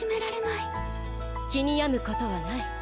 気に病む事はない。